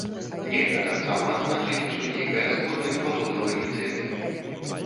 Нельга таксама адзначыць, што нейкая з зборных валодала ініцыятывай.